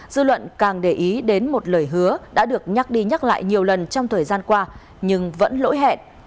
dư luận càng để ý đến một lời hứa đã được nhắc đi nhắc lại nhiều lần trong thời gian qua nhưng vẫn lỗi hẹn